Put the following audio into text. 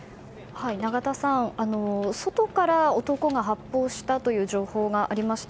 永田さん外から男が発砲したという情報がありました。